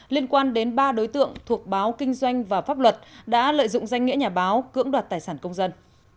liên quan đến ba đối tượng thuộc báo kinh doanh và pháp luật đã lợi dụng danh nghĩa nhà báo cưỡng đoạt tài sản công dân